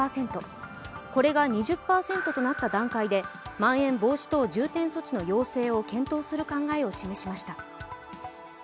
これが２０％となった段階でまん延防止等重点措置の要請を検討する考えを示しました。